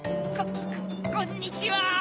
こんにちは。